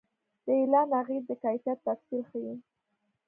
د اعلان اغېز د کیفیت تفصیل ښيي.